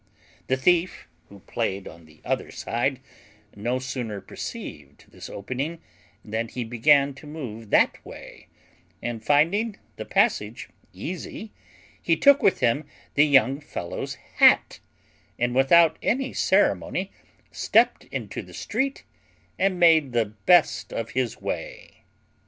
The thief, who played on the other side, no sooner perceived this opening than he began to move that way; and, finding the passage easy, he took with him the young fellow's hat, and without any ceremony stepped into the street and made the best of his way.